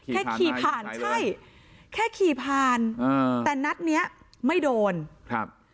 ขี่ผ่านใช่แค่ขี่ผ่านอ่าแต่นัดเนี้ยไม่โดนครับ